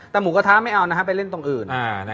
แต่หมูกระทะไม่เอานะฮะไปเล่นตรงอื่น